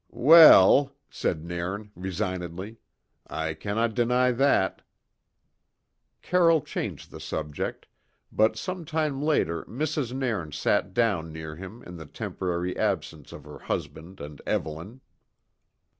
"Weel," said Nairn resignedly, "I canna deny that." Carroll changed the subject, but some time later Mrs. Nairn sat down near him in the temporary absence of her husband and Evelyn.